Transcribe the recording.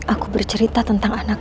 aku bercerita tentang anaknya